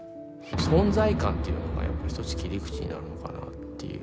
存在感っていうのがやっぱり一つ切り口になるのかなっていう。